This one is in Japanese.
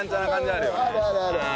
あるあるある。